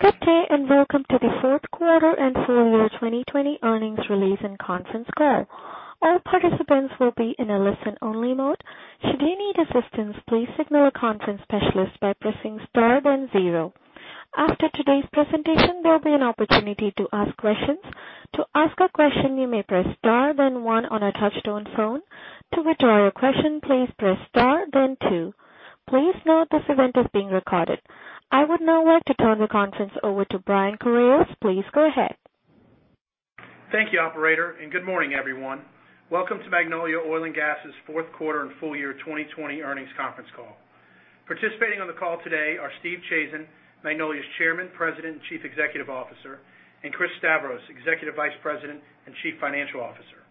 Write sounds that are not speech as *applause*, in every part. Good day and welcome to the third quarter and full year 2020 earnings release and conference call. All participants will be in a listen-only mode. Should you need assistance, please signal a conference specialist by pressing star then zero. After today's presentation, there will be an opportunity to ask questions. To ask a question, you may press star then one on a touchtone phone. To withdraw your question, please press star then two. Please note this event is being recorded. I would now like to turn the conference over to Brian Corales. Please go ahead. Thank you operator. Good morning everyone. Welcome to Magnolia Oil & Gas's fourth quarter and full year 2020 earnings conference call. Participating on the call today are Steve Chazen, Magnolia's Chairman, President, and Chief Executive Officer, and Chris Stavros, Executive Vice President and Chief Financial Officer.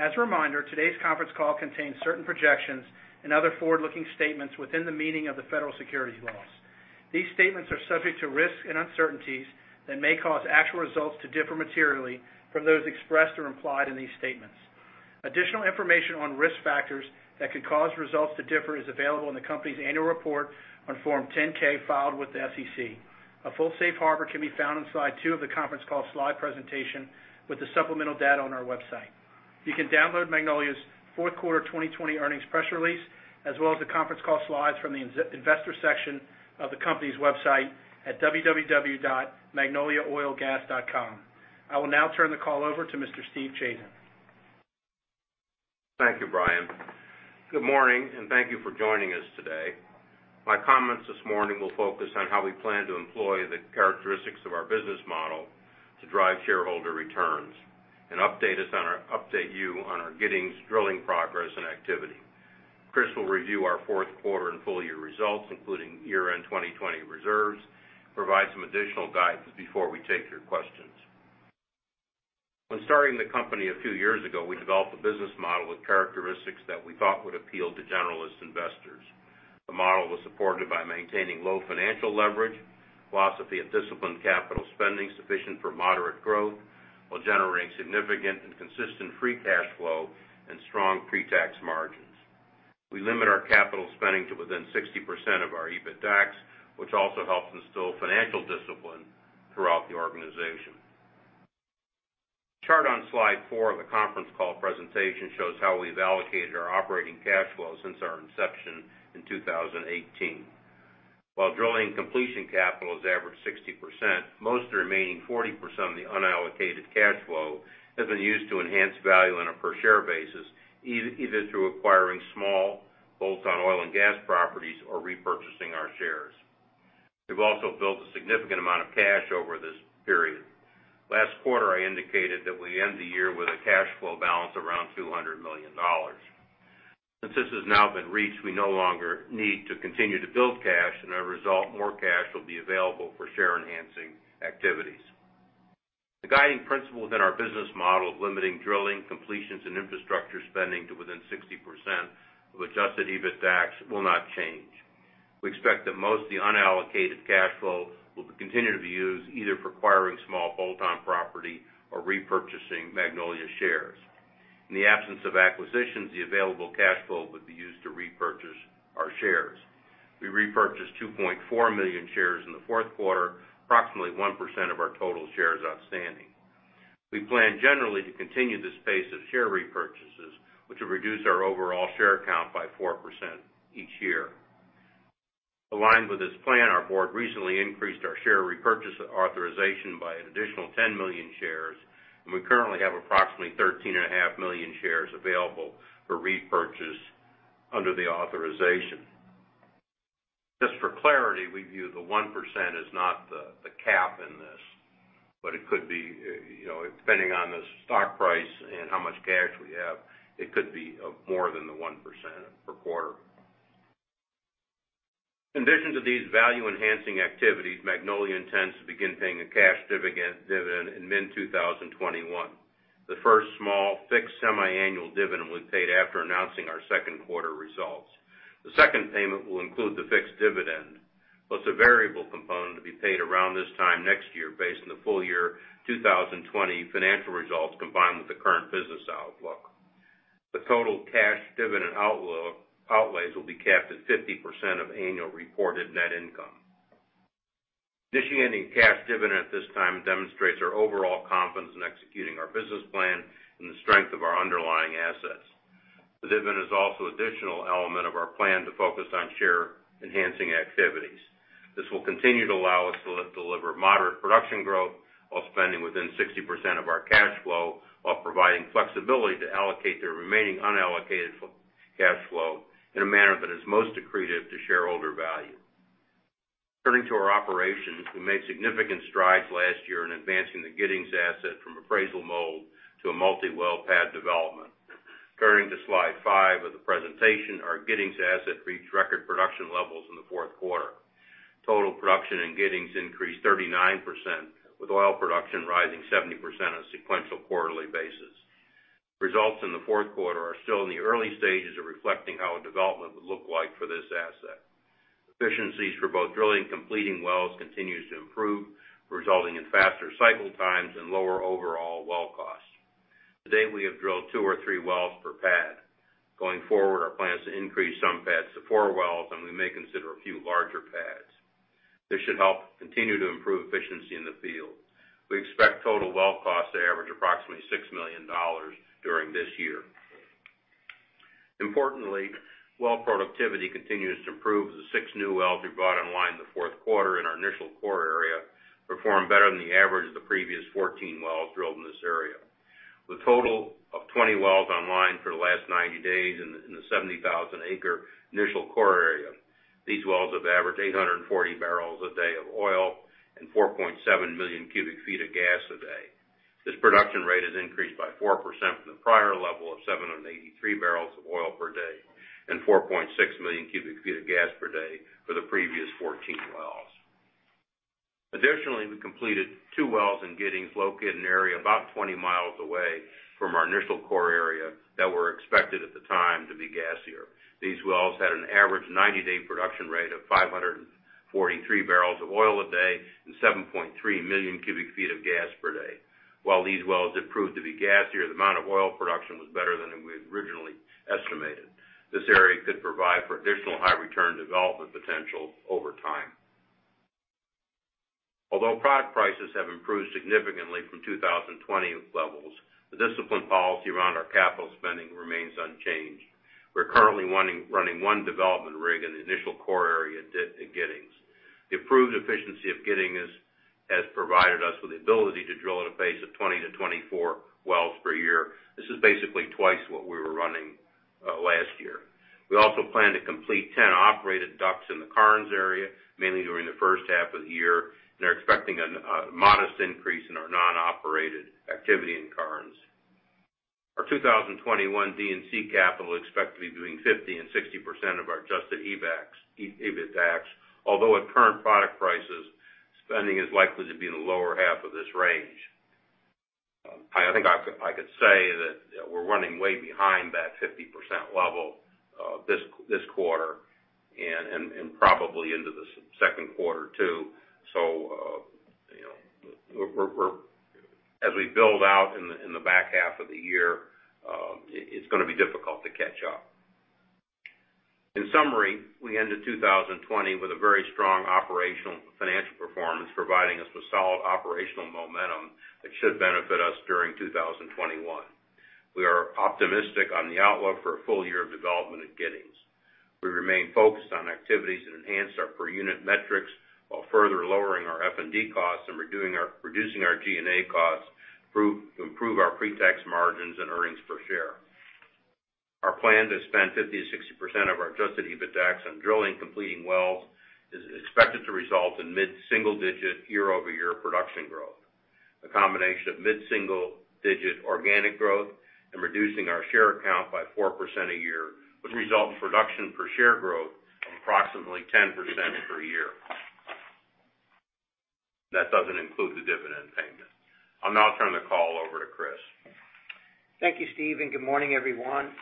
As a reminder, today's conference call contains certain projections and other forward-looking statements within the meaning of the federal securities laws. These statements are subject to risks and uncertainties that may cause actual results to differ materially from those expressed or implied in these statements. Additional information on risk factors that could cause results to differ is available in the company's annual report on Form 10-K filed with the SEC. A full safe harbor can be found on slide two of the conference call slide presentation with the supplemental data on our website. You can download Magnolia's fourth quarter 2020 earnings press release, as well as the conference call slides from the investor section of the company's website at www.magnoliaoilgas.com. I will now turn the call over to Mr. Steve Chazen. Thank you Brian. Good morning. Thank you for joining us today. My comments this morning will focus on how we plan to employ the characteristics of our business model to drive shareholder returns and update you on our Giddings drilling progress and activity. Chris will review our fourth quarter and full-year results, including year-end 2020 reserves, provide some additional guidance before we take your questions. When starting the company a few years ago, we developed a business model with characteristics that we thought would appeal to generalist investors. The model was supported by maintaining low financial leverage, philosophy of disciplined capital spending sufficient for moderate growth, while generating significant and consistent free cash flow and strong pre-tax margins. We limit our capital spending to within 60% of our EBITDAX, which also helps instill financial discipline throughout the organization. The chart on slide four of the conference call presentation shows how we've allocated our operating cash flow since our inception in 2018. While drilling completion capital has averaged 60%, most of the remaining 40% of the unallocated cash flow has been used to enhance value on a per-share basis, either through acquiring small bolt-on oil and gas properties or repurchasing our shares. We've also built a significant amount of cash over this period. Last quarter, I indicated that we end the year with a cash flow balance around $200 million. Since this has now been reached, we no longer need to continue to build cash. As a result, more cash will be available for share enhancing activities. The guiding principle within our business model of limiting drilling, completions, and infrastructure spending to within 60% of adjusted EBITDAX will not change. We expect that most of the unallocated cash flow will continue to be used either for acquiring small bolt-on property or repurchasing Magnolia shares. In the absence of acquisitions, the available cash flow would be used to repurchase our shares. We repurchased 2.4 million shares in the fourth quarter, approximately 1% of our total shares outstanding. We plan generally to continue this pace of share repurchases, which will reduce our overall share count by 4% each year. Aligned with this plan, our board recently increased our share repurchase authorization by an additional 10 million shares, and we currently have approximately 13.5 million shares available for repurchase under the authorization. Just for clarity, we view the 1% as not the cap in this, but depending on the stock price and how much cash we have, it could be more than the 1% per quarter. In addition to these value-enhancing activities, Magnolia intends to begin paying a cash dividend in mid-2021. The first small fixed semiannual dividend will be paid after announcing our second quarter results. The second payment will include the fixed dividend, plus a variable component to be paid around this time next year based on the full-year 2020 financial results, combined with the current business outlook. The total cash dividend outlays will be capped at 50% of annual reported net income. Initiating cash dividend at this time demonstrates our overall confidence in executing our business plan and the strength of our underlying assets. The dividend is also an additional element of our plan to focus on share-enhancing activities. This will continue to allow us to deliver moderate production growth while spending within 60% of our cash flow, while providing flexibility to allocate the remaining unallocated cash flow in a manner that is most accretive to shareholder value. Turning to our operations, we made significant strides last year in advancing the Giddings asset from appraisal mode to a multi-well pad development. Turning to slide five of the presentation, our Giddings asset reached record production levels in the fourth quarter. Total production in Giddings increased 39%, with oil production rising 70% on a sequential quarterly basis. Results in the fourth quarter are still in the early stages of reflecting how a development would look like for this asset. Efficiencies for both drilling and completing wells continues to improve, resulting in faster cycle times and lower overall well costs. Today, we have drilled 2 or 3 wells per pad. Going forward, our plan is to increase some pads to four wells, and we may consider a few larger pads. This should help continue to improve efficiency in the field. We expect total well costs to average approximately $6 million during this year. Importantly, well productivity continues to improve as the six new wells we brought online in the fourth quarter in our initial core area performed better than the average of the previous 14 wells drilled in this area. With a total of 20 wells online for the last 90 days in the 70,000-acre initial core area, these wells have averaged 840 barrels a day of oil and 4.7 million cubic feet of gas a day. This production rate has increased by 4% from the prior level of 783 barrels of oil per day and 4.6 million cubic feet of gas per day for the previous 14 wells. Additionally, we completed two wells in Giddings, located in an area about 20 miles away from our initial core area that were expected at the time to be gassier. These wells had an average 90-day production rate of 543 barrels of oil a day and 7.3 million cubic feet of gas per day. While these wells had proved to be gassier, the amount of oil production was better than we had originally estimated. This area could provide for additional high return development potential over time. Although product prices have improved significantly from 2020 levels, the disciplined policy around our capital spending remains unchanged. We're currently running one development rig in the initial core area at Giddings. The improved efficiency of Giddings has provided us with the ability to drill at a pace of 20-24 wells per year. This is basically twice what we were running last year. We also plan to complete 10 operated DUCs in the Karnes area, mainly during the first half of the year. They're expecting a modest increase in our non-operated activity in Karnes. Our 2021 D&C capital is expected to be between 50% and 60% of our adjusted EBITDAX. Although at current product prices, spending is likely to be in the lower half of this range. I think I could say that we're running way behind that 50% level this quarter and probably into the second quarter too. As we build out in the back half of the year, it's going to be difficult to catch up. In summary, we ended 2020 with a very strong operational financial performance, providing us with solid operational momentum that should benefit us during 2021. We are optimistic on the outlook for a full year of development at Giddings. We remain focused on activities that enhance our per-unit metrics while further lowering our F&D costs and reducing our G&A costs to improve our pre-tax margins and earnings per share. Our plan to spend 50%-60% of our adjusted EBITDAX on drilling completing wells is expected to result in mid-single-digit year-over-year production growth. A combination of mid-single-digit organic growth and reducing our share count by 4% a year would result in production per share growth of approximately 10% per year. That doesn't include the dividend payment. I'll now turn the call over to Chris. Thank you Steve and good morning everyone.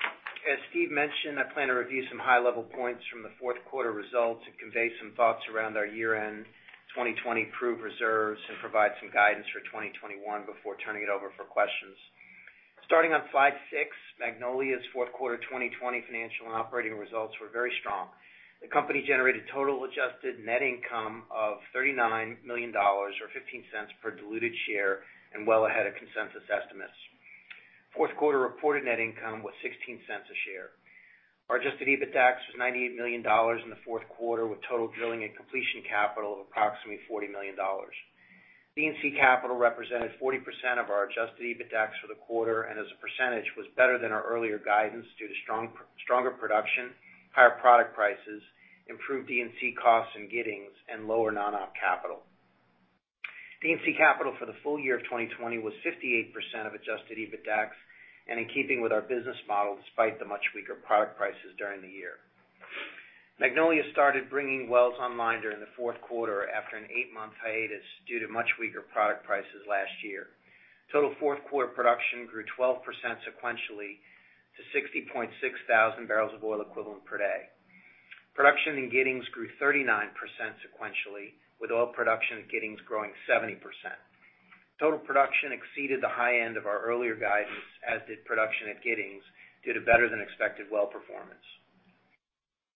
As Steve mentioned, I plan to review some high-level points from the fourth quarter results and convey some thoughts around our year-end 2020 proved reserves and provide some guidance for 2021 before turning it over for questions. Starting on slide six, Magnolia's fourth quarter 2020 financial and operating results were very strong. The company generated total adjusted net income of $39 million or $0.15 per diluted share and well ahead of consensus estimates. Fourth quarter reported net income was $0.16 a share. Our adjusted EBITDAX was $98 million in the fourth quarter, with total drilling and completion capital of approximately $40 million. D&C capital represented 40% of our adjusted EBITDAX for the quarter, and as a percentage, was better than our earlier guidance due to stronger production, higher product prices, improved D&C costs in Giddings and lower non-op capital. D&C capital for the full year of 2020 was 58% of adjusted EBITDAX, and in keeping with our business model despite the much weaker product prices during the year. Magnolia started bringing wells online during the fourth quarter after an eight-month hiatus due to much weaker product prices last year. Total fourth quarter production grew 12% sequentially to 60.6 thousand barrels of oil equivalent per day. Production in Giddings grew 39% sequentially, with oil production at Giddings growing 70%. Total production exceeded the high end of our earlier guidance, as did production at Giddings, due to better-than-expected well performance.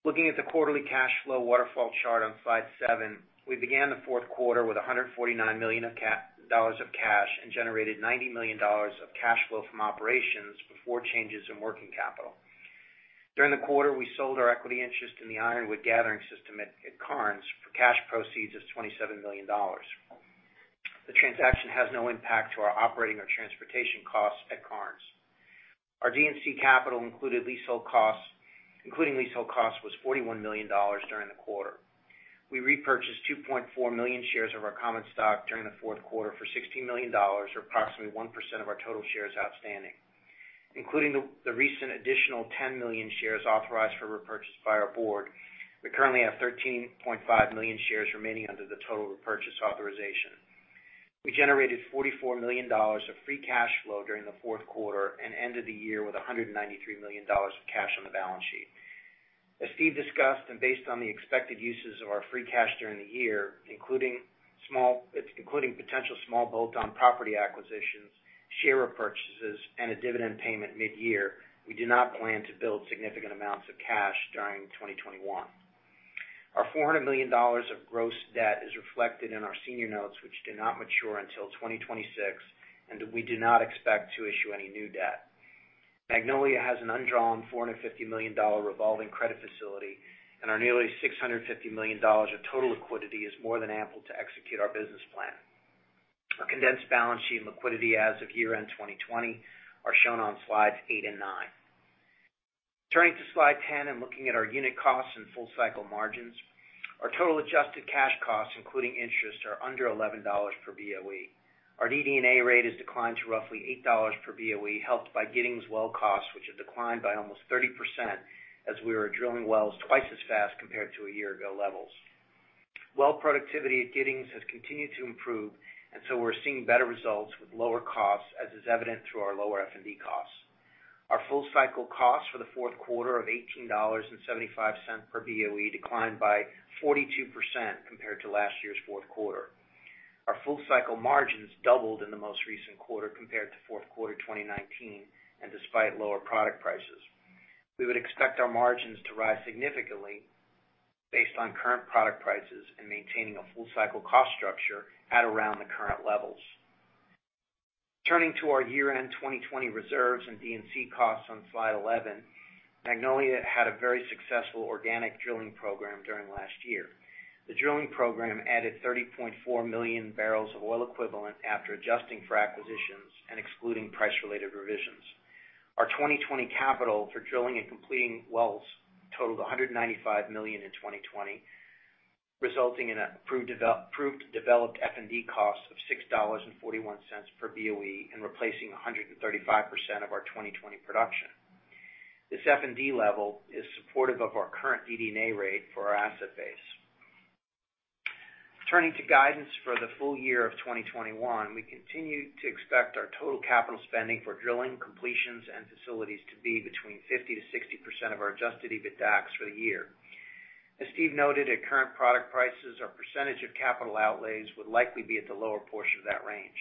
Looking at the quarterly cash flow waterfall chart on slide seven, we began the fourth quarter with $149 million of cash and generated $90 million of cash flow from operations before changes in working capital. During the quarter, we sold our equity interest in the Ironwood Gathering system at Karnes for cash proceeds of $27 million. The transaction has no impact to our operating or transportation costs at Karnes. Our D&C capital including leasehold costs was $41 million during the quarter. We repurchased 2.4 million shares of our common stock during the fourth quarter for $16 million, or approximately 1% of our total shares outstanding. Including the recent additional 10 million shares authorized for repurchase by our board, we currently have 13.5 million shares remaining under the total repurchase authorization. We generated $44 million of free cash flow during the fourth quarter and ended the year with $193 million of cash on the balance sheet. As Steve discussed, and based on the expected uses of our free cash during the year, including potential small bolt-on property acquisitions, share repurchases, and a dividend payment mid-year, we do not plan to build significant amounts of cash during 2021. Our $400 million of gross debt is reflected in our senior notes, which do not mature until 2026, and we do not expect to issue any new debt. Magnolia has an undrawn $450 million revolving credit facility, and our nearly $650 million of total liquidity is more than ample to execute our business plan. A condensed balance sheet and liquidity as of year-end 2020 are shown on slides eight and nine. Turning to slide 10 and looking at our unit costs and full-cycle margins, our total adjusted cash costs, including interest, are under $11 per BOE. Our DD&A rate has declined to roughly $8 per BOE, helped by Giddings well costs, which have declined by almost 30%, as we are drilling wells twice as fast compared to a year ago levels. Well productivity at Giddings has continued to improve, and so we're seeing better results with lower costs, as is evident through our lower F&D costs. Our full-cycle costs for the fourth quarter of $18.75 per BOE declined by 42% compared to last year's fourth quarter. Our full-cycle margins doubled in the most recent quarter compared to fourth quarter 2019, and despite lower product prices. We would expect our margins to rise significantly based on current product prices and maintaining a full-cycle cost structure at around the current levels. Turning to our year-end 2020 reserves and D&C costs on slide 11, Magnolia had a very successful organic drilling program during last year. The drilling program added 30.4 million barrels of oil equivalent after adjusting for acquisitions and excluding price-related revisions. Our 2020 capital for drilling and completing wells totaled $195 million in 2020, resulting in a proved developed F&D cost of $6.41 per BOE and replacing 135% of our 2020 production. This F&D level is supportive of our current DD&A rate for our asset base. Turning to guidance for the full year of 2021, we continue to expect our total capital spending for drilling, completions, and facilities to be between 50%-60% of our adjusted EBITDAX for the year. As Steve noted, at current product prices, our percentage of capital outlays would likely be at the lower portion of that range.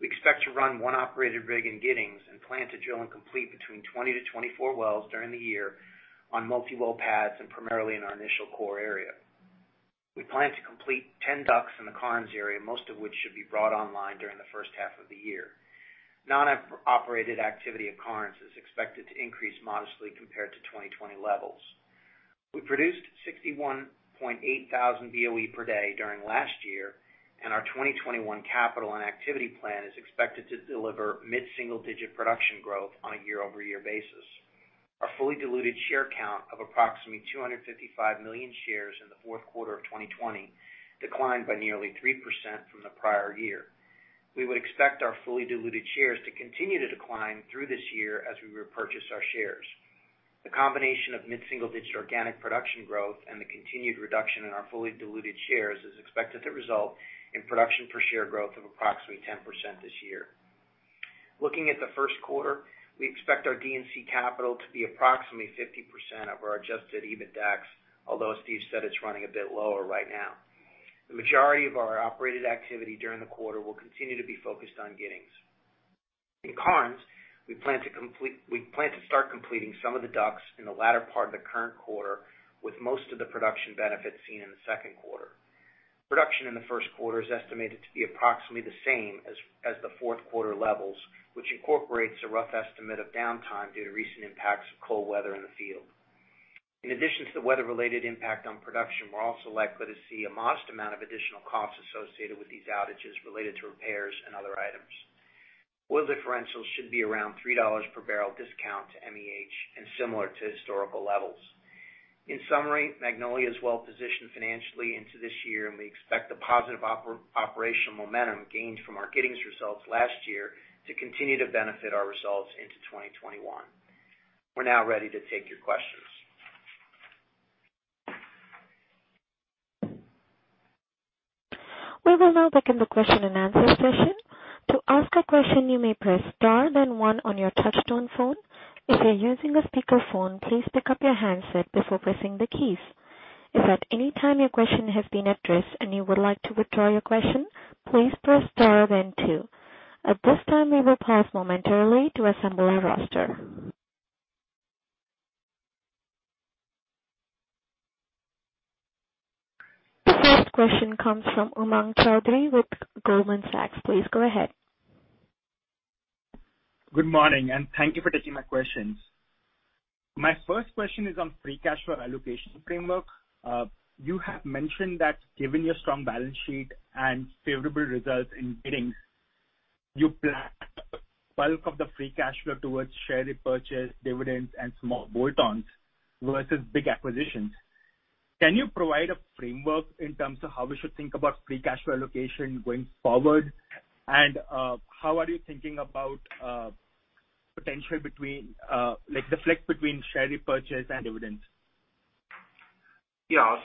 We expect to run one operated rig in Giddings and plan to drill and complete between 20-24 wells during the year on multi-well pads and primarily in our initial core area. We plan to complete 10 DUCs in the Karnes area, most of which should be brought online during the first half of the year. Non-operated activity at Karnes is expected to increase modestly compared to 2020 levels. We produced 61.8 thousand BOE per day during last year, and our 2021 capital and activity plan is expected to deliver mid-single-digit production growth on a year-over-year basis. Our fully diluted share count of approximately 255 million shares in the fourth quarter of 2020 declined by nearly 3% from the prior year. We would expect our fully diluted shares to continue to decline through this year as we repurchase our shares. The combination of mid-single-digit organic production growth and the continued reduction in our fully diluted shares is expected to result in production per share growth of approximately 10% this year. Looking at the first quarter, we expect our D&C capital to be approximately 50% of our adjusted EBITDAX, although as Steve said, it's running a bit lower right now. The majority of our operated activity during the quarter will continue to be focused on Giddings. In Karnes, we plan to start completing some of the DUCs in the latter part of the current quarter, with most of the production benefits seen in the second quarter. Production in the first quarter is estimated to be approximately the same as the fourth quarter levels, which incorporates a rough estimate of downtime due to recent impacts of cold weather in the field. In addition to the weather-related impact on production, we're also likely to see a modest amount of additional costs associated with these outages related to repairs and other items. Oil differentials should be around $3 per barrel discount to MEH and similar to historical levels. In summary, Magnolia is well-positioned financially into this year, and we expect the positive operational momentum gained from our Giddings results last year to continue to benefit our results into 2021. We're now ready to take your questions. We will now begin the question and answer session. To ask a question, you may press star, then one on your touchtone phone. If you're using a speakerphone, please pick up your handset before pressing the keys. If at any time your question has been addressed and you would like to withdraw your question, please press star then two. At this time, we will pause momentarily to assemble our roster. The first question comes from Umang Chaudhary with Goldman Sachs. Please go ahead. Good morning and thank you for taking my questions. My first question is on free cash flow allocation framework. You have mentioned that given your strong balance sheet and favorable results in Giddings, you plan bulk of the free cash flow towards share repurchase, dividends, and small bolt-ons versus big acquisitions. Can you provide a framework in terms of how we should think about free cash flow allocation going forward? How are you thinking about potential between share repurchase and dividends? Yeah. as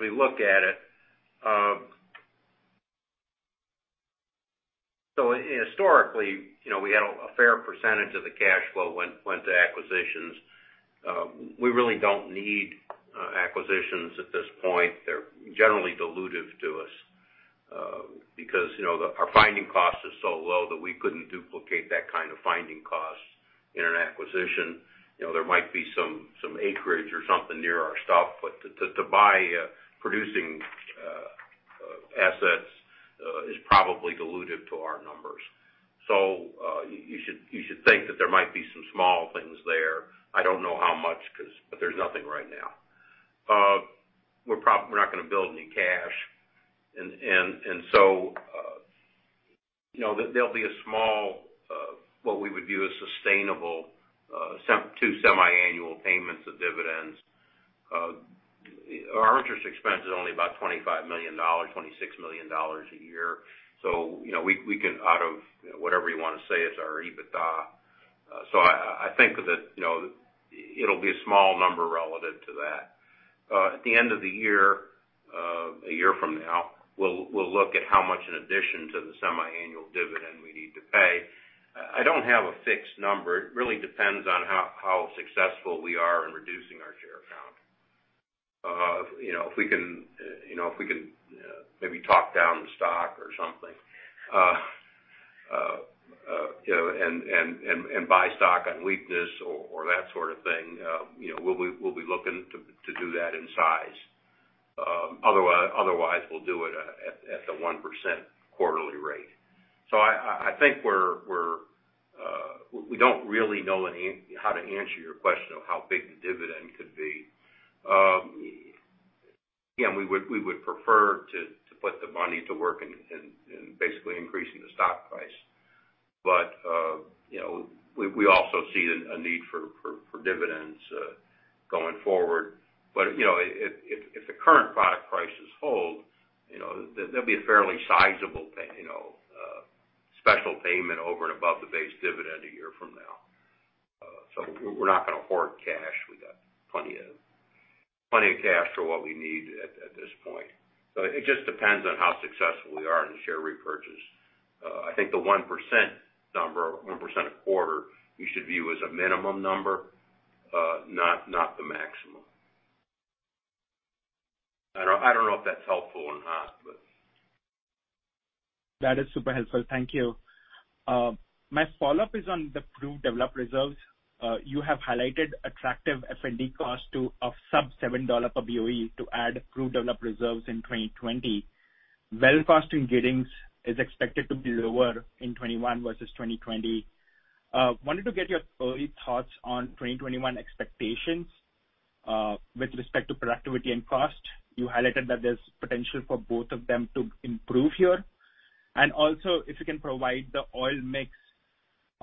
we look at it Historically, we had a fair percentage of the cash flow went to acquisitions. We really don't need acquisitions at this point. They're generally dilutive to us because our finding cost is so low that we couldn't duplicate that kind of finding cost in an acquisition. There might be some acreage or something near our stuff, but to buy producing assets is probably dilutive to our numbers. You should think that there might be some small things there. I don't know how much, but there's nothing right now. We're not going to build any cash. There'll be a small, what we would view as sustainable, two semiannual payments of dividends. Our interest expense is only about $25 million, $26 million a year. We can, out of whatever you want to say is our EBITDA. I think that it'll be a small number relative to that. At the end of the year, a year from now, we'll look at how much in addition to the semiannual dividend we need to pay. I don't have a fixed number. It really depends on how successful we are in reducing our share count. If we can maybe talk down the stock or something, and buy stock on weakness or that sort of thing, we'll be looking to do that in size. Otherwise, we'll do it at the 1% quarterly rate. I think we don't really know how to answer your question of how big the dividend could be. Again, we would prefer to put the money to work in basically increasing the stock price. We also see a need for dividends going forward. If the current product prices hold, there'll be a fairly sizable special payment over and above the base dividend a year from now. We're not going to hoard cash. We got plenty of cash for what we need at this point. It just depends on how successful we are in the share repurchase. I think the 1% number, 1% a quarter, you should view as a minimum number, not the maximum. I don't know if that's helpful or not. That is super helpful. Thank you. My follow-up is on the proved developed reserves. You have highlighted attractive F&D cost of sub $7 per BOE to add proved developed reserves in 2020. Well cost in Giddings is expected to be lower in 2021 versus 2020. Wanted to get your early thoughts on 2021 expectations with respect to productivity and cost. You highlighted that there's potential for both of them to improve here. Also, if you can provide the oil mix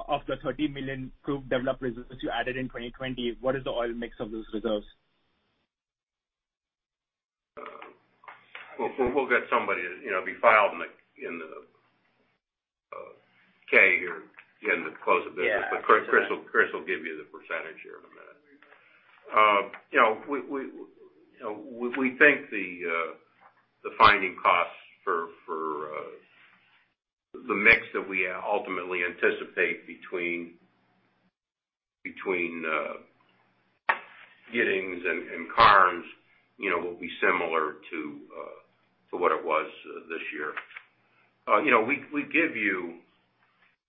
of the 30 million proved developed reserves that you added in 2020. What is the oil mix of those reserves? We'll get somebody. It'll be filed in the K here at the end of close of business. Yeah. Chris will give you the percentage here in a minute. We think the finding costs for the mix that we ultimately anticipate between Giddings and Karnes will be similar to what it was this year. We give you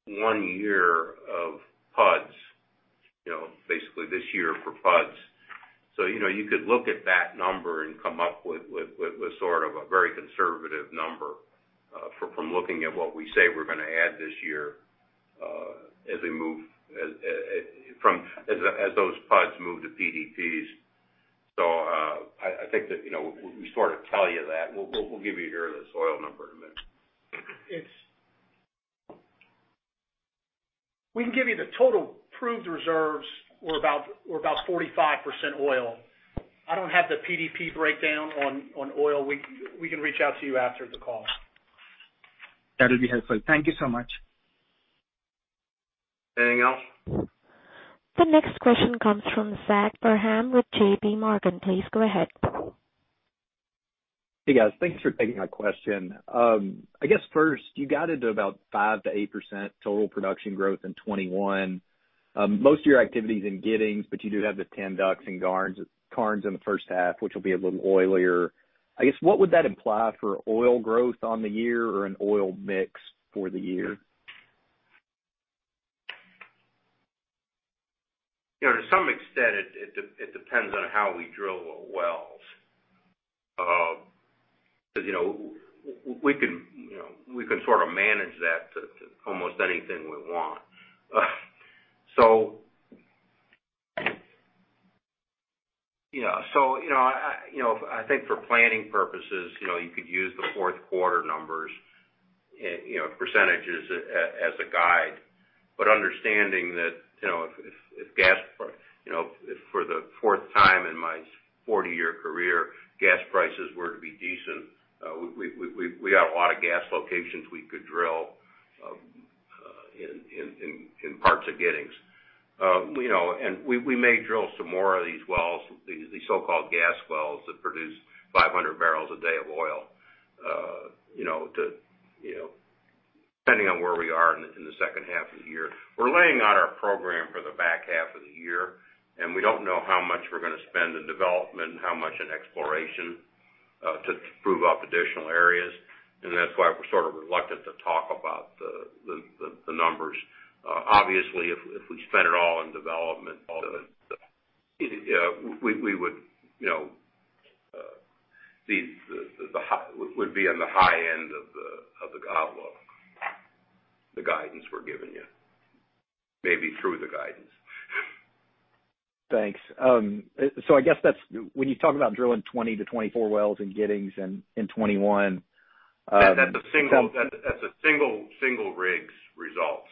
one year of PUDs, basically this year for PUDs. You could look at that number and come up with a very conservative number from looking at what we say we're going to add this year as those PUDs move to PDPs. I think that we sort of tell you that. We'll give you here this oil number in a minute. We can give you the total proved reserves were about 45% oil. I don't have the PDP breakdown on oil. We can reach out to you after the call. That'll be helpful. Thank you so much. Anything else? The next question comes from Zach Parham with JPMorgan. Please go ahead. Hey guys. Thanks for taking my question. I guess first, you guided to about 5%-8% total production growth in 2021. Most of your activity's in Giddings, but you do have the 10 DUCs in Karnes in the first half, which will be a little oilier. I guess what would that imply for oil growth on the year or an oil mix for the year? To some extent, it depends on how we drill our wells. We can sort of manage that to almost anything we want. I think for planning purposes you could use the fourth quarter numbers percentages as a guide. Understanding that if for the fourth time in my 40-year career gas prices were to be decent, we got a lot of gas locations we could drill in parts of Giddings. We may drill some more of these wells, these so-called gas wells that produce 500 barrels a day of oil, depending on where we are in the second half of the year. We're laying out our program for the back half of the year, and we don't know how much we're going to spend in development and how much in exploration to prove up additional areas. That's why we're sort of reluctant to talk about the numbers. Obviously, if we spent it all in development, we would be on the high end of the guide low, the guidance we're giving you. Maybe through the guidance. Thanks. I guess that's when you talk about drilling 20-24 wells in Giddings in 2021- That's a single rigs results.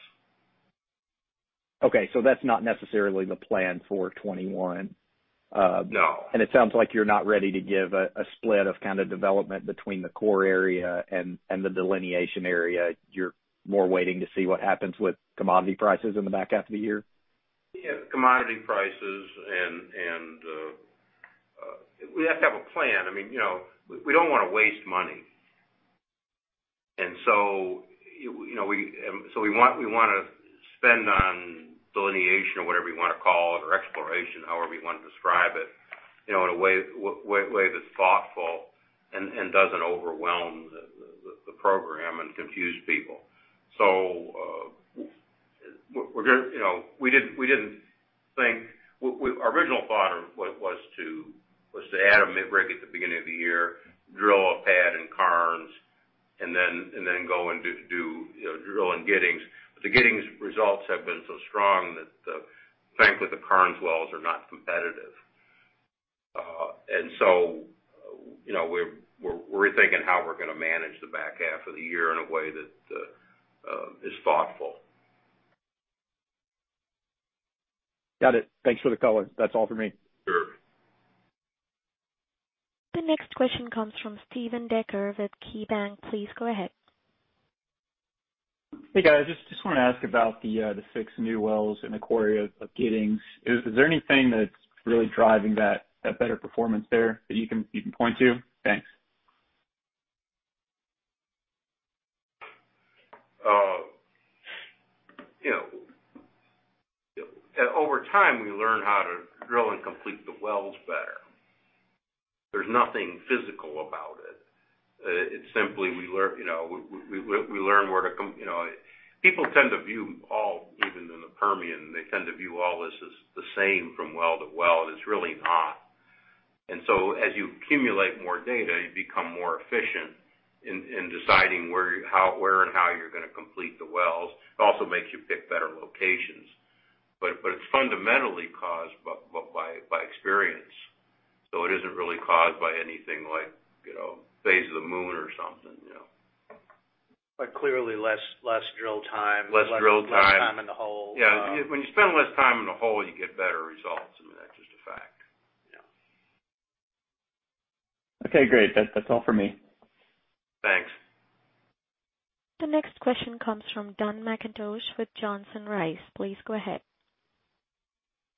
Okay. That's not necessarily the plan for 2021. No. It sounds like you're not ready to give a split of development between the core area and the delineation area. You're more waiting to see what happens with commodity prices in the back half of the year? Yeah. Commodity prices. We have to have a plan. We don't want to waste money. We want to spend on delineation or whatever you want to call it, or exploration, however you want to describe it, in a way that's thoughtful and doesn't overwhelm the program and confuse people. Our original thought was to add a rig at the beginning of the year, drill a pad in Karnes, and then go and do drilling Giddings. The Giddings results have been so strong that, frankly, the Karnes wells are not competitive. We're rethinking how we're going to manage the back half of the year in a way that is thoughtful. Got it. Thanks for the color. That's all for me. Sure. The next question comes from Steven Decker with KeyBanc. Please go ahead. Hey guys. Just want to ask about the six new wells in the core area of Giddings. Is there anything that's really driving that better performance there that you can point to? Thanks. Over time, we learn how to drill and complete the wells better. There's nothing physical about it. It's simply we learn where people tend to view all, even in the Permian, they tend to view all this as the same from well to well, and it's really not. As you accumulate more data, you become more efficient in deciding where and how you're going to complete the wells. It also makes you pick better locations. It's fundamentally caused by experience. It isn't really caused by anything like phase of the moon or something. Clearly less drill time. Less drill time. Less time in the hole. Yeah. When you spend less time in the hole, you get better results. I mean, that's just a fact. Yeah. Okay great. That's all for me. Thanks. The next question comes from Don McIntosh with Johnson Rice. Please go ahead.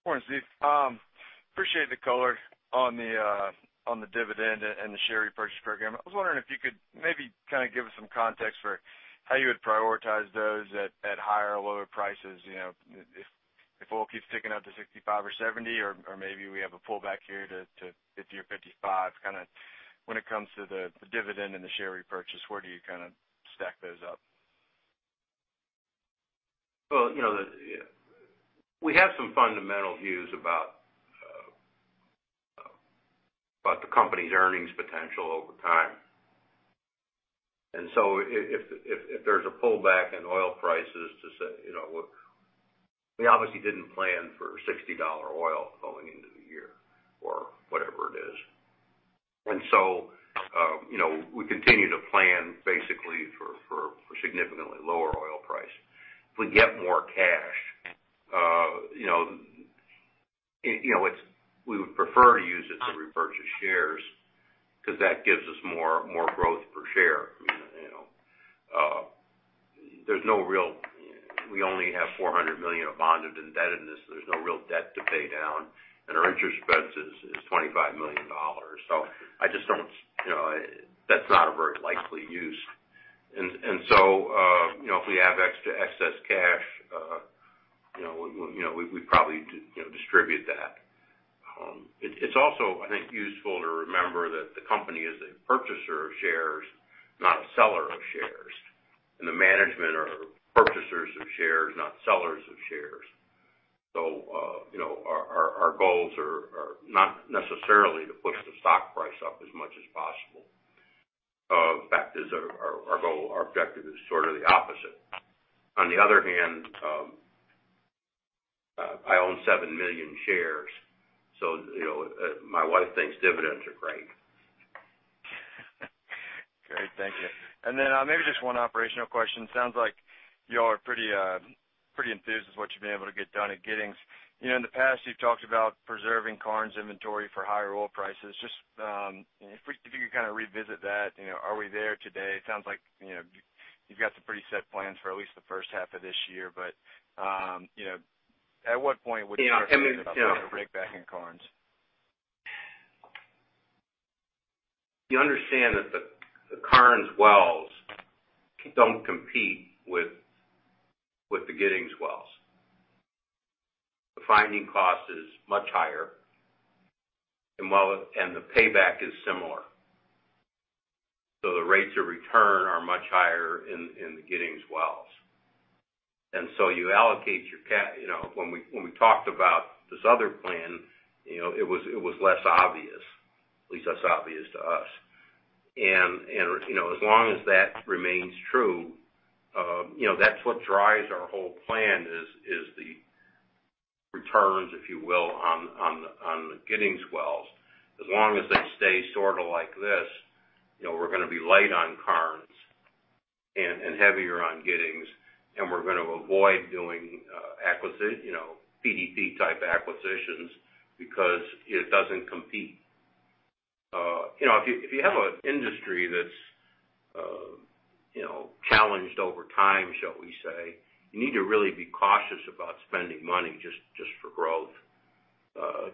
Morning Steve. Appreciate the color on the dividend and the share repurchase program. I was wondering if you could maybe give us some context for how you would prioritize those at higher or lower prices. If oil keeps ticking up to $65 or $70, or maybe we have a pullback here to $50 or $55. When it comes to the dividend and the share repurchase, where do you stack those up? We have some fundamental views about the company's earnings potential over time. If there's a pullback in oil prices to say, we obviously didn't plan for $60 oil going into the year or whatever it is. We continue to plan basically for significantly lower oil price. If we get more cash, we would prefer to use it to repurchase shares because that gives us more growth per share. We only have $400 million of bonded indebtedness. There's no real debt to pay down. Our interest expense is $25 million. That's not a very likely use. If we have extra excess cash, we'd probably distribute that. It's also, I think, useful to remember that the company is a purchaser of shares, not a seller of shares. The management are purchasers of shares, not sellers of shares. Our goals are not necessarily to push the stock price up as much as possible. In fact, our goal, our objective is sort of the opposite. On the other hand, I own 7 million shares. My wife thinks dividends are great. Great. Thank you. Then maybe just one operational question. Sounds like you all are pretty enthused with what you've been able to get done at Giddings. In the past, you've talked about preserving Karnes inventory for higher oil prices. Just if you could kind of revisit that. Are we there today? It sounds like pretty set plans for at least the first half of this year. Yeah. breaking back in Karnes? You understand that the Karnes wells don't compete with the Giddings wells. The finding cost is much higher and the payback is similar. The rates of return are much higher in the Giddings wells. You allocate your *inaudible* when we talked about this other plan, it was less obvious, at least less obvious to us. As long as that remains true, that's what drives our whole plan, is the returns, if you will, on the Giddings wells. As long as they stay sort of like this, we're going to be light on Karnes and heavier on Giddings, and we're going to avoid doing PDP-type acquisitions because it doesn't compete. If you have an industry that's challenged over time, shall we say, you need to really be cautious about spending money just for growth,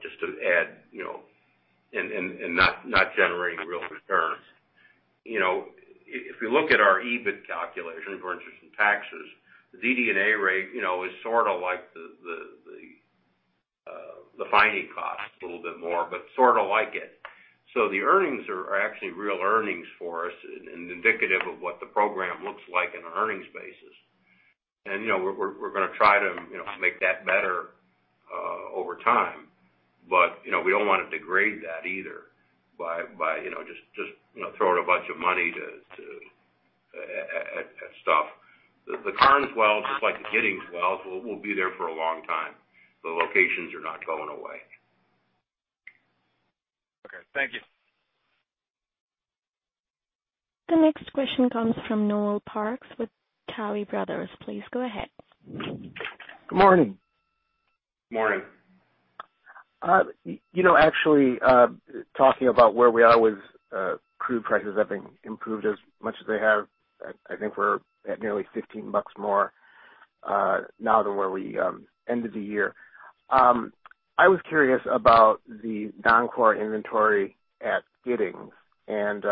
just to add, and not generating real returns. If you look at our EBIT calculation for interest and taxes, the DD&A rate is sort of like the finding cost, a little bit more, but sort of like it. The earnings are actually real earnings for us and indicative of what the program looks like in an earnings basis. We're going to try to make that better over time. We don't want to degrade that either by just throwing a bunch of money at stuff. The Karnes wells, just like the Giddings wells, will be there for a long time. The locations are not going away. Okay thank you. The next question comes from Noel Parks with Tuohy Brothers. Please go ahead. Good morning. Morning. Actually, talking about where we are with crude prices having improved as much as they have, I think we're at nearly $15 more now than where we ended the year. I was curious about the non-core inventory at Giddings, and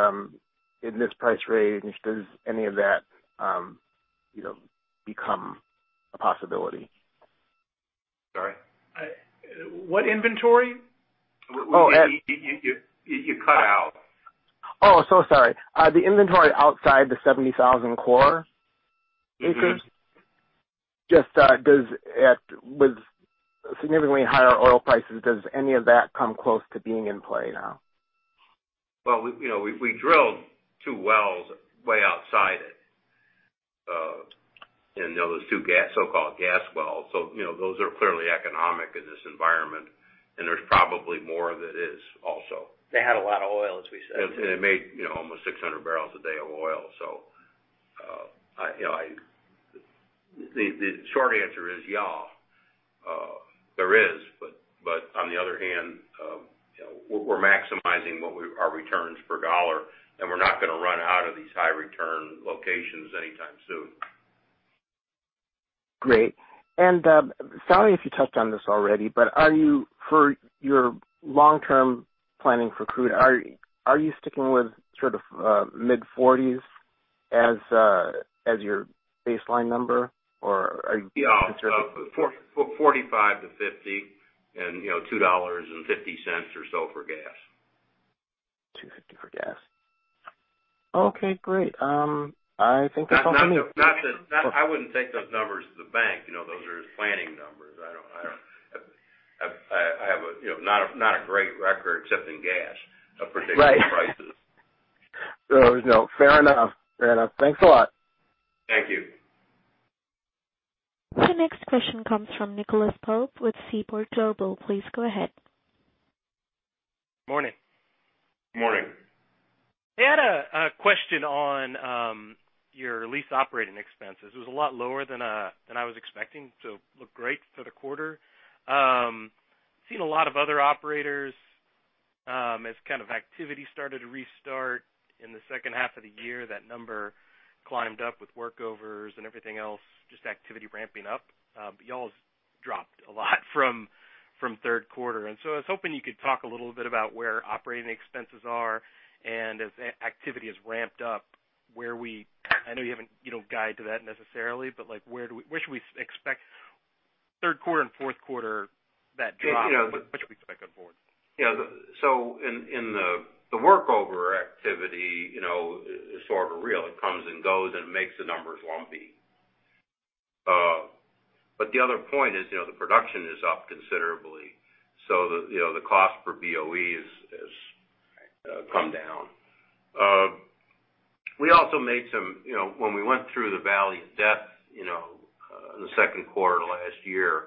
in this price range, does any of that become a possibility? Sorry? What inventory? Oh, You cut out. Oh, so sorry. The inventory outside the 70,000 core acres. Just with significantly higher oil prices, does any of that come close to being in play now? Well, we drilled two wells way outside it, those two so-called gas wells. Those are clearly economic in this environment, and there's probably more that is also. They had a lot of oil, as we said. It made almost 600 barrels a day of oil. The short answer is yeah, there is. On the other hand, we're maximizing our returns per dollar, and we're not going to run out of these high return locations anytime soon. Great. Sorry if you touched on this already, but for your long-term planning for crude, are you sticking with mid-forties as your baseline number? Are you considering- Yeah. $45-$50 and $2.50 or so for gas. $2.50 for gas. Okay, great. I think that's all for me. I wouldn't take those numbers to the bank. Those are planning numbers. I have not a great record, except in gas, of predicting prices. Right. No, fair enough. Thanks a lot. Thank you. The next question comes from Nicholas Pope with Seaport Global. Please go ahead. Morning. Morning. I had a question on your lease operating expenses. It was a lot lower than I was expecting. Looked great for the quarter. I've seen a lot of other operators as activity started to restart in the second half of the year. That number climbed up with workovers and everything else, just activity ramping up. You all's dropped a lot from third quarter. I was hoping you could talk a little bit about where operating expenses are and as activity has ramped up, where we I know you don't guide to that necessarily, but where should we expect third quarter and fourth quarter, that drop? You know. What should we expect going forward? In the workover activity, is sort of real. It comes and goes and makes the numbers lumpy. The other point is the production is up considerably. The cost per BOE has come down. When we went through the valley of death in the second quarter last year,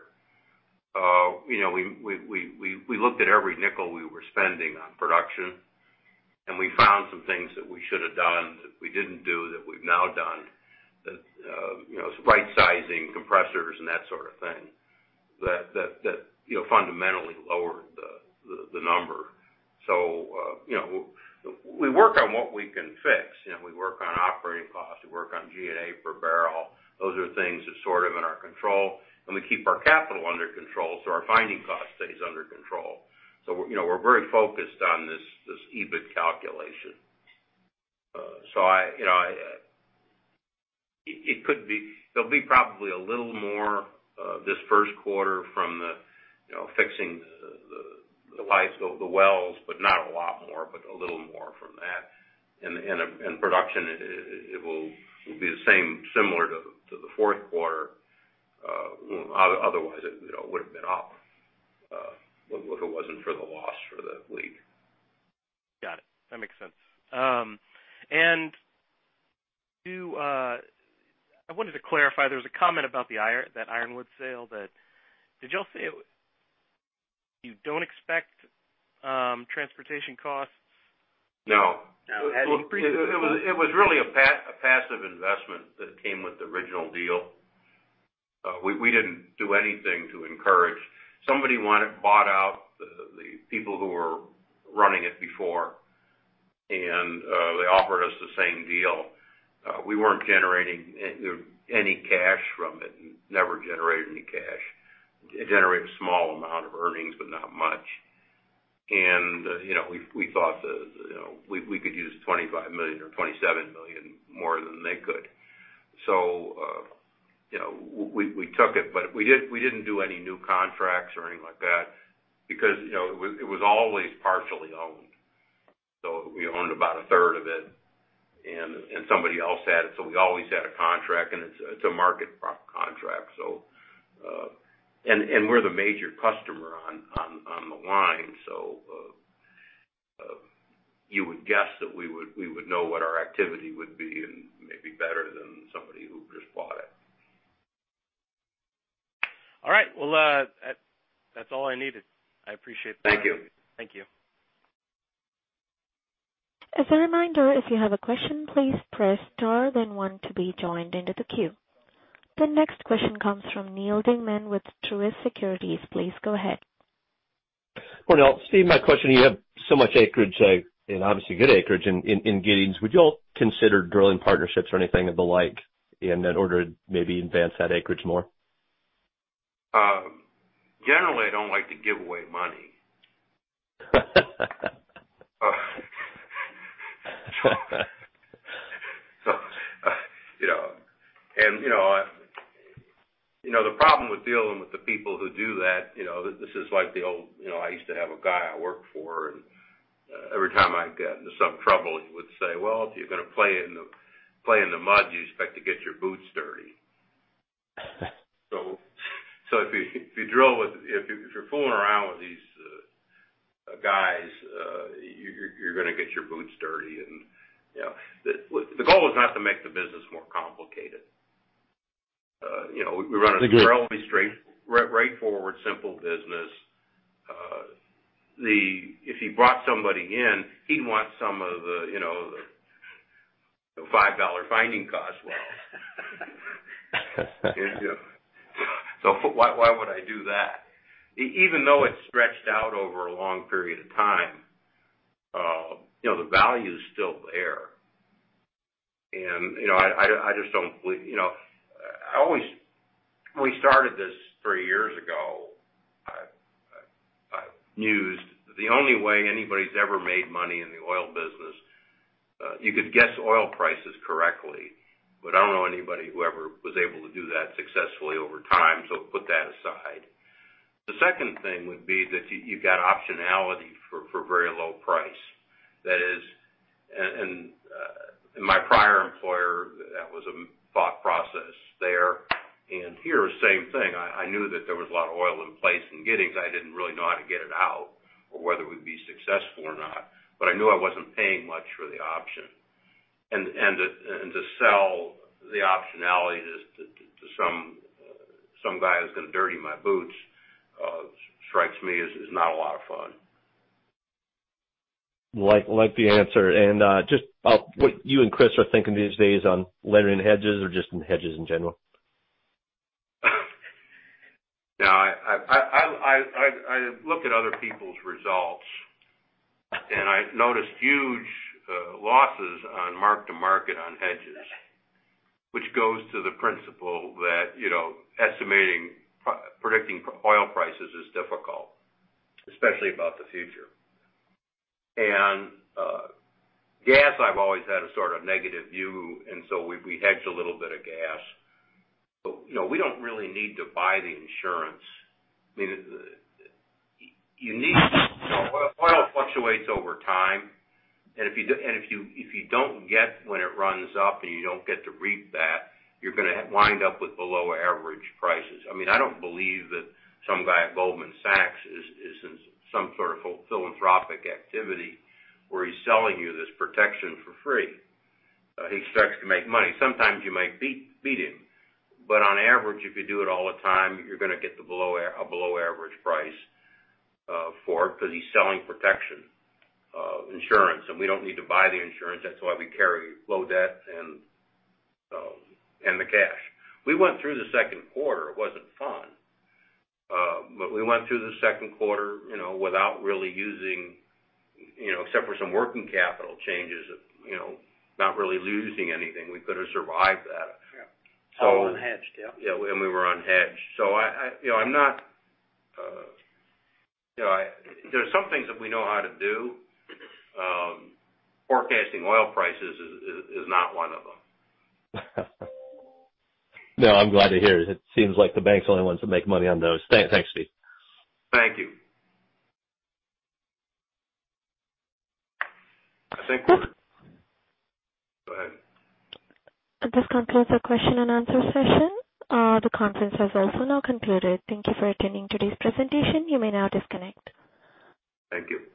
we looked at every nickel we were spending on production, and we found some things that we should have done that we didn't do, that we've now done. Right-sizing compressors and that sort of thing. We work on what we can fix. We work on operating costs, we work on G&A per barrel. Those are things that's sort of in our control, and we keep our capital under control, so our finding cost stays under control. We're very focused on this EBIT calculation. There'll be probably a little more this first quarter from fixing the lives of the wells, but not a lot more, but a little more from that. Production, it will be similar to the fourth quarter. Otherwise, it would've been up, if it wasn't for the loss for the lease. Got it. That makes sense. I wanted to clarify, there was a comment about that Ironwood sale. Did y'all say you don't expect transportation costs? No. Had you predicted that? It was really a passive investment that came with the original deal. We didn't do anything to encourage. Somebody bought out the people who were running it before. They offered us the same deal. We weren't generating any cash from it, never generated any cash. It generated a small amount of earnings, but not much. We thought that we could use $25 million or $27 million more than they could. We took it, but we didn't do any new contracts or anything like that because it was always partially owned. We owned about a third of it, and somebody else had it. We always had a contract. It's a market contract. We're the major customer on the line, so you would guess that we would know what our activity would be and maybe better than somebody who just bought it. All right. Well, that's all I needed. I appreciate the time. Thank you. Thank you. As a reminder, if you have a question please press star then one to be joined into the queue. The next question comes from Neal Dingmann with Truist Securities. Please go ahead. Well, Steve my question, you have so much acreage, and obviously good acreage in Giddings. Would you all consider drilling partnerships or anything of the like in that order to maybe advance that acreage more? Generally, I don't like to give away money. The problem with dealing with the people who do that, this is like the old I used to have a guy I worked for, and every time I'd get into some trouble, he would say, "Well, if you're going to play in the mud, you expect to get your boots dirty." If you're fooling around with these guys, you're going to get your boots dirty. The goal is not to make the business more complicated. I get it. We run a fairly straightforward, simple business. If he brought somebody in, he'd want some of the $5 finding cost well. Why would I do that? Even though it's stretched out over a long period of time, the value's still there, and I just don't believe When we started this three years ago, I mused the only way anybody's ever made money in the oil business, you could guess oil prices correctly, but I don't know anybody who ever was able to do that successfully over time. Put that aside. The second thing would be that you've got optionality for very low price. That is, in my prior employer, that was a thought process there. Here, same thing. I knew that there was a lot of oil in place in Giddings. I didn't really know how to get it out or whether we'd be successful or not. I knew I wasn't paying much for the option. To sell the optionality to some guy who's going to dirty my boots, strikes me as not a lot of fun. Like the answer. Just what you and Chris are thinking these days on laying hedges or just in hedges in general. I look at other people's results, and I noticed huge losses on mark-to-market on hedges, which goes to the principle that predicting oil prices is difficult, especially about the future. Gas, I've always had a sort of negative view, and so we hedged a little bit of gas. We don't really need to buy the insurance. Oil fluctuates over time, and if you don't get when it runs up, and you don't get to reap that, you're going to wind up with below average prices. I don't believe that some guy at Goldman Sachs is in some sort of philanthropic activity where he's selling you this protection for free. He strives to make money. Sometimes you might beat him, but on average, if you do it all the time, you're going to get a below average price for it because he's selling protection insurance, and we don't need to buy the insurance. That's why we carry low debt and the cash. We went through the second quarter. It wasn't fun. We went through the second quarter without really using, except for some working capital changes, not really losing anything. We could've survived that. Yeah. All unhedged, yeah. Yeah. We were unhedged. There are some things that we know how to do. Forecasting oil prices is not one of them. No, I'm glad to hear it. It seems like the bank's the only ones that make money on those. Thanks Steve. Thank you. I think we're...Go ahead. This concludes our question and answer session. The conference has also now concluded. Thank you for attending today's presentation. You may now disconnect. Thank you.